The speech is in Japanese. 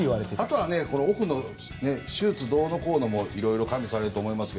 あとはオフの手術どうのこうのもいろいろ加味されると思います。